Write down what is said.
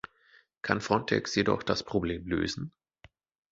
Kann Frontex jedoch das Problem lösen?